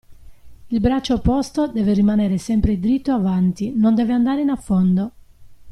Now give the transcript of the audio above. Il braccio opposto deve rimanere sempre dritto avanti, non deve andare in affondo.